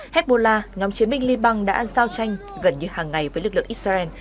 hezbollah nhóm chiến binh liban đã giao tranh gần như hàng ngày với lực lượng israel